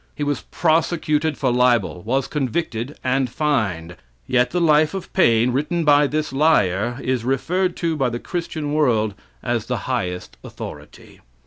He was prosecuted for libel was convicted and fined. Yet the life of Paine, written by this liar, is referred to by the Christian world as the highest authority.